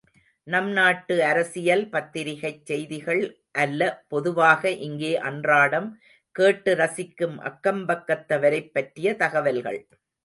நம் நாட்டு அரசியல் பத்திரிகைச் செய்திகள் அல்ல பொதுவாக இங்கே அன்றாடம் கேட்டு ரசிக்கும் அக்கம்பக்கத்தவரைப் பற்றிய தகவல்கள்.